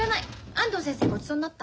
安藤先生にごちそうになった。